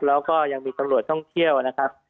แล้วก็ยังมีตำรวจท่องเที่ยวนะครับ